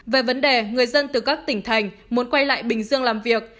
về vấn đề người dân từ các tỉnh thành muốn quay lại bình dương làm việc